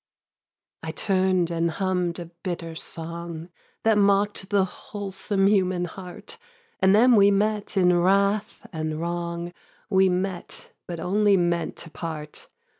2. I turn'd and humm'd a bitter song That mock'd the wholesome human heart, And then we met in wrath and wrong, We met, but only meant to part.